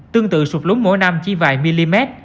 tương tự sụp lúng mỗi năm chỉ vài mm